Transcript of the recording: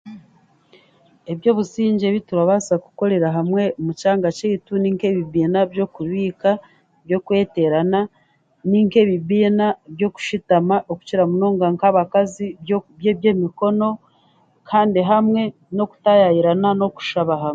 Eby'obusingye ebi turaabaasa kukorera hamwe omu kyanga kyaitu nink'ebibiina by'okubiika by'okweterana nink'ebibiina by'okushutama namunonga nk'abakazi byo bye by'emikono kandi hamwe n'okutaayayirana n'okushaba hamwe